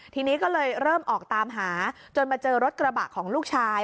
ทีนี้ก็เลยเริ่มออกตามหาจนมาเจอรถกระบะของลูกชาย